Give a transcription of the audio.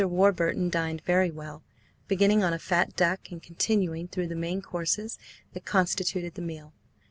Warburton dined very well, beginning on a fat duck, and continuing through the many courses that constituted the meal.